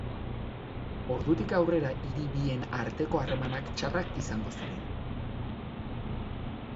Ordutik aurrera hiri bien arteko harremanak txarrak izango ziren.